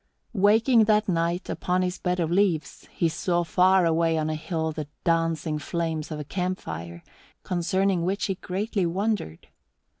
Waking that night upon his bed of leaves, he saw far away on a hill the dancing flames of a campfire, concerning which he greatly wondered.